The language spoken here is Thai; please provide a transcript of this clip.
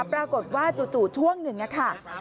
ปรากฏว่าจู่ช่วงหนึ่งค่ะ